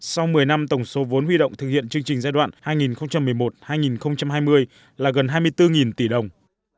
sau một mươi năm tổng số vốn huy động thực hiện chương trình giai đoạn hai nghìn một mươi một hai nghìn hai mươi là gần hai mươi bốn tỷ đồng